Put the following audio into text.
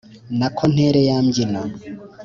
Nako ntere ya mbyino